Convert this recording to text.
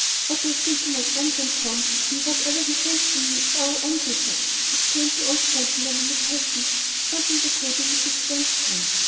"What I say to my grandson, Tom, and what he says to me, is our own business!" exclaimed the old gentleman in a passion, thumping the table with his clenched hand.